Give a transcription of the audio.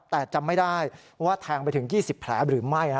แต่จำไม่ได้ว่าแทงไปถึง๒๐แผลหรือไม่